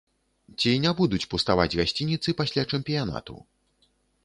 Ці не будуць пуставаць гасцініцы пасля чэмпіянату?